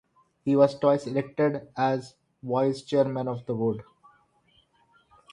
He was twice elected as vice-chair of the Board.